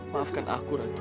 maafkan aku ratu